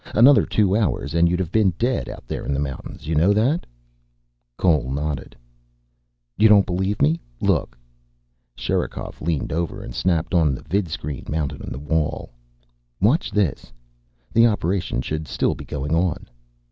"Another two hours and you'd have been dead, out there in the mountains. You know that?" Cole nodded. "You don't believe me. Look." Sherikov leaned over and snapped on the vidscreen mounted in the wall. "Watch, this. The operation should still be going on."